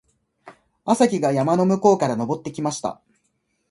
朝日が山の向こうから昇ってきました。